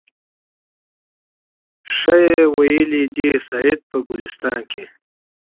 ښه ویلي دي سعدي په ګلستان کي